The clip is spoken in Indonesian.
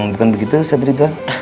bukan begitu ustaz dhridul